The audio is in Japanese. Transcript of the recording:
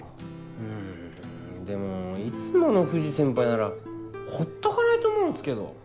うんでもいつもの藤先輩ならほっとかないと思うんすけど。